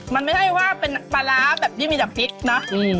มันไม่ได้ว่าเป็นปลาร้าแบบที่มีจากพริกนะ